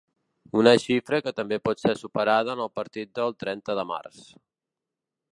Una xifra que també pot ser superada en el partit del trenta de març.